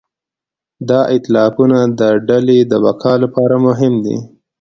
دا ایتلافونه د ډلې د بقا لپاره مهم دي.